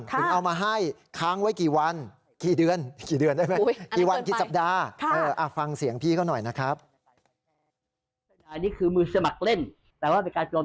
ถึงเอามาให้ค้างไว้กี่วันกี่เดือนได้ไหม